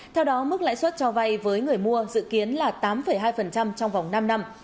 theo đó mức lãi suất cho vay với người mua dự kiến là tám hai trong vòng năm năm